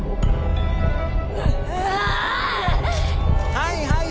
はいはい。